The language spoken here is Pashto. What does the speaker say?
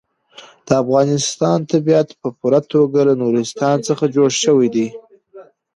د افغانستان طبیعت په پوره توګه له نورستان څخه جوړ شوی دی.